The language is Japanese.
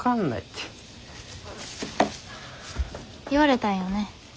言われたんよね。